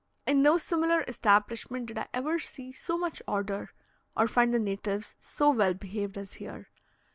In no similar establishment did I ever see so much order, or find the natives so well behaved as here.